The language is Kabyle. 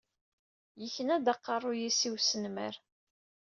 Yekna-d aqerruy-is i usnemmer.